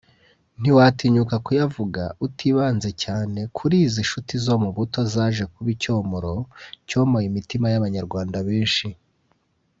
ntiwatinyuka kuyavuga utibanze cyane kuri inzi nshuti zo mu buto zaje kuba icyomoro cyomoye imitima y’abanyarwanda benshi